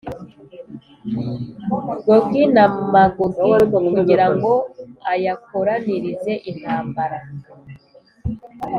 Gogi na Magogi kugira ngo ayakoranirize intambara,